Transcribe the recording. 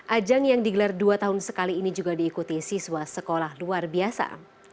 ajang yang digelar dua tahun sekali ini juga diikuti siswa sekolah luar biasa